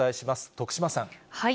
徳島さん。